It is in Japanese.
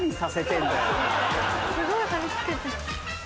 すごい貼りつけて。